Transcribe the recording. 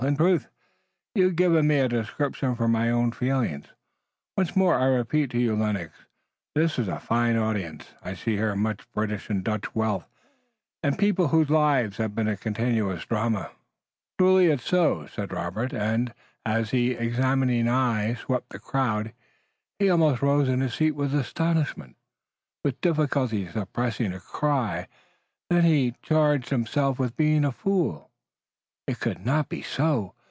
In truth, you've given me a description for my own feelings. Once more I repeat to you, Lennox, that 'tis a fine audience. I see here much British and Dutch wealth, and people whose lives have been a continuous drama." "Truly it's so," said Robert, and, as his examining eye swept the crowd, he almost rose in his seat with astonishment, with difficulty suppressing a cry. Then he charged himself with being a fool. It could not be so!